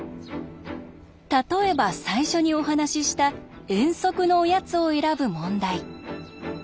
例えば最初にお話しした遠足のおやつを選ぶ問題。